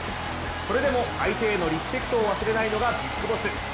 それでも、相手へのリスペクトを忘れないのがビッグボス。